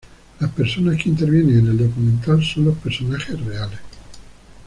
Las personas que intervienen en el documental son los personajes reales.